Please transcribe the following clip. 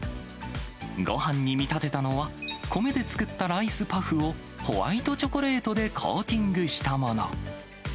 ごはんに見立てたのは、米で作ったライスパフをホワイトチョコレートでコーティングしたもの。